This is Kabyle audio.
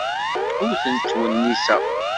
Ur ten-ttwenniseɣ.